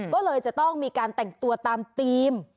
ก็เลยจะต้องมีการแต่งตัวตามธีม